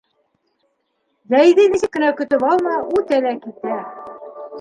Йәйҙе нисек кенә көтөп алма, үтә лә китә.